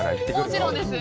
もちろんです。